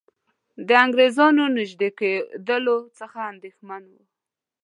د انګریزانو نیژدې کېدلو څخه اندېښمن وو.